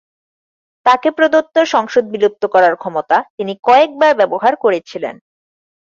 তাঁকে প্রদত্ত সংসদ বিলুপ্ত করার ক্ষমতা তিনি কয়েকবার ব্যবহার করেছিলেন।